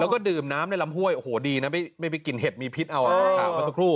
แล้วก็ดื่มน้ำในลำห้วยโอ้โหดีนะไม่มีกลิ่นเห็ดมีพิษเอาอะอ๋อ